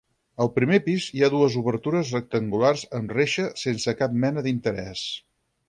Al primer pis hi ha dues obertures rectangulars amb reixa sense cap mena d'interès.